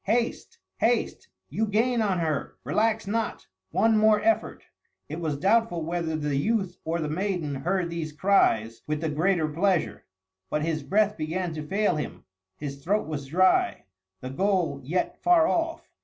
haste, haste! you gain on her! relax not! one more effort!" It was doubtful whether the youth or the maiden heard these cries with the greater pleasure. But his breath began to fail him, his throat was dry, the goal yet far off.